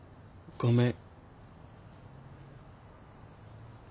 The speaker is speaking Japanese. ごめん。